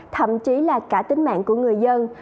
thậm chí là cả tính mạng của người dân